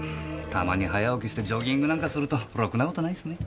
たまに早起きしてジョギングなんかするとろくな事ないっすね。